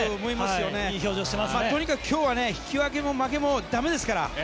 とにかく今日は引き分けも負けもだめですから。